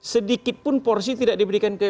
sedikit pun porsi tidak diberikan ke